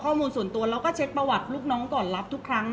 เพราะว่าสิ่งเหล่านี้มันเป็นสิ่งที่ไม่มีพยาน